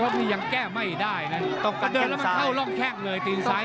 รอบนี้ยังแก้ไม่ได้นะต้องกินการแข่งซ้าย